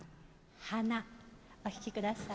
「花」お聴きください。